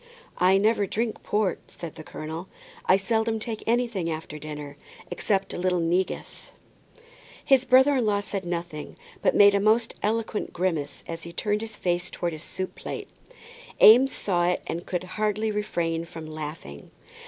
"I never drink port," said the colonel. "I seldom take anything after dinner, except a little negus." His brother in law said nothing, but made a most eloquent grimace as he turned his face towards his soup plate. Eames saw it, and could hardly refrain from laughing.